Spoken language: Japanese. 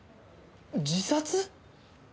自殺！？